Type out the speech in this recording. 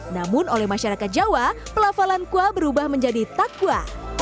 namun oleh masyarakat jawa pelafalan kuah berubah menjadi takwa